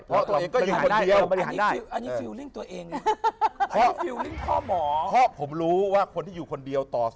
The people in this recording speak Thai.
เพราะตัวเองก็อยู่คนเดียวต่อ